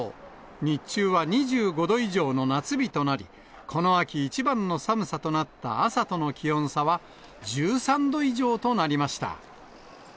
日中は２５度以上の夏日となり、この秋一番の寒さとなった朝との気温差は１３度以上となりました。